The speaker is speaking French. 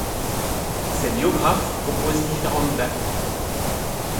Ses biographes proposent différentes dates.